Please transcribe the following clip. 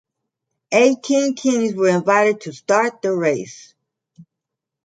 Eighteen teams were invited to start the race.